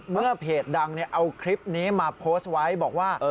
เพจดังเอาคลิปนี้มาโพสต์ไว้บอกว่า